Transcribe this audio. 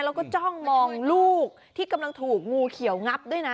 แล้วก็จ้องมองลูกที่กำลังถูกงูเขียวงับด้วยนะ